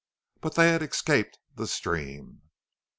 But they had escaped the stream.